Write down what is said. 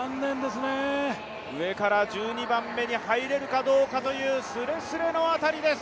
上から１２番目に入れるかどうかという、すれすれの辺りです。